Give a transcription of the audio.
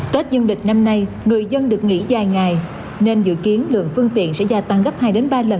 tết dương lịch năm nay người dân được nghỉ dài ngày nên dự kiến lượng phương tiện sẽ gia tăng gấp hai ba lần